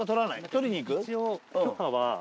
取りに行く？